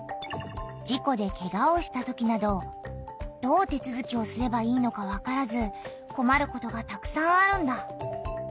じこでケガをしたときなどどう手つづきをすればいいのかわからずこまることがたくさんあるんだ。